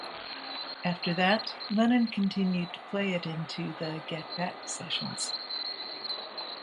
After that, Lennon continued to play it into the Get Back sessions.